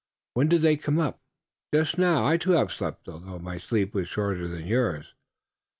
"When did they come up?" "Just now. I too have slept, although my sleep was shorter than yours."